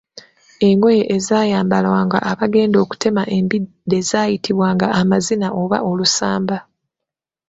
Engoye ezaayambalwanga abagenda okutema embidde zaayitibwanga amaziina oba olusamba.